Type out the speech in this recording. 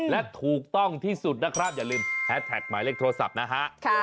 และถูกต้องที่สุดนะครับอย่าลืมแฮสแท็กหมายเลขโทรศัพท์นะฮะ